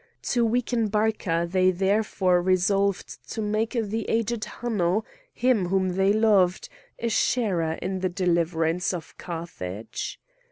To weaken Barca they therefore resolved to make the aged Hanno, him whom they loved, a sharer in the deliverance of Carthage.